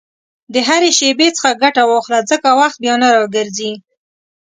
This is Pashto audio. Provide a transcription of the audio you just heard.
د هرې شېبې څخه ګټه واخله، ځکه وخت بیا نه راګرځي.